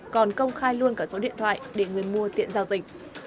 còn công khai luôn cả số điện thoại để người mua tiện giao dịch